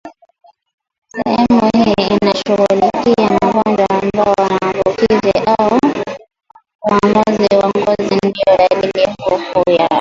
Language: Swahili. Sehemu hii inashughulikia magonjwa ambayo maambukizi au uvamizi wa ngozi ndio dalili kuu Haya